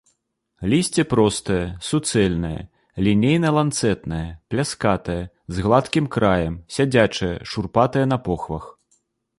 Лісце простае, суцэльнае, лінейна-ланцэтнае, пляскатае, з гладкім краем, сядзячае, шурпатае на похвах.